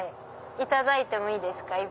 いただいてもいいですか？